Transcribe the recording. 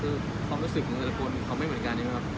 แล้วก็ความรู้สึกของอักษรมันไม่เหมือนกันยังไงว่า